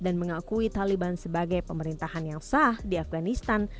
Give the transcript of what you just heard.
dan mengakui taliban sebagai pemerintahan yang sah di afganistan